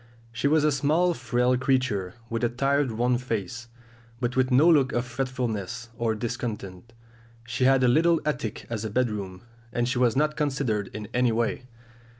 She was a small frail creature, with a tired worn face, but with no look of fretfulness or discontent. She had a little attic as a bedroom, and she was not considered in any way.